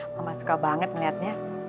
mama suka banget melihatnya